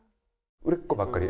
売れっ子ばっかり？